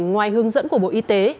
ngoài hướng dẫn của bộ y tế